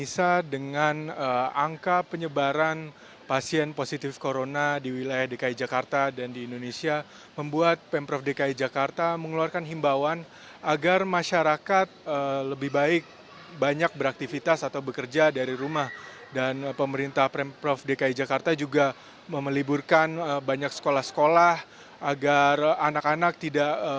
selamat sore farhanisa